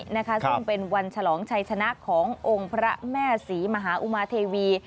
ซึ่งเป็นวันฉลองชัยชนะขององค์พระแม่ศรีมหาอุมาเทวี